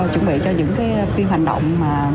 chuẩn bị cho những phim hành động